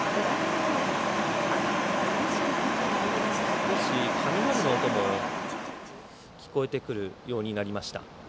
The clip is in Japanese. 少し雷の音も聞こえてくるようになりました